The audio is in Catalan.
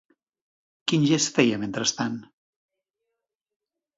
Quin gest feia, mentrestant?